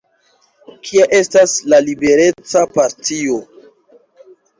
Kia estas la Libereca Partio?